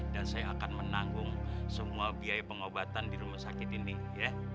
dan saya akan menanggung semua biaya pengobatan di rumah sakit ini ya